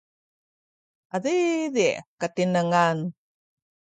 adidi’ katinengan